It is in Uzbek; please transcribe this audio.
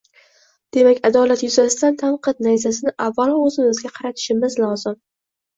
Demak, adolat yuzasidan tanqid nayzasini, avvalo, o‘zimizga qaratishimiz lozim